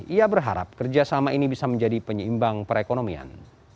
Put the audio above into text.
ia berharap kerjasama ini bisa menjadi penyeimbang perekonomian